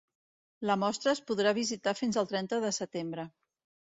La mostra es podrà visitar fins el trenta de setembre.